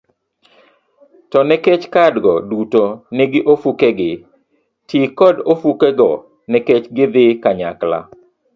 To nikech kadgo duto nigi ofukegi, ti kod ofukego nikech gidhi kanyakla